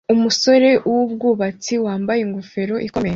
Umusore wubwubatsi wambaye ingofero ikomeye